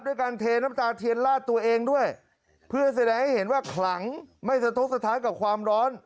ด้วยการเทน้ำตาเทียนลาดตัวเองด้วยเพื่อแสดงให้เห็นว่าขลังไม่สะทกสะท้านกับความร้อน